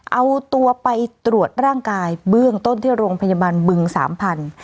เอาตัวไปตรวจร่างกายเบื้องต้นที่โรงพยาบาลบึงสามพันธุ์